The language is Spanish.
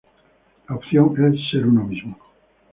La opción es ser uno mismo.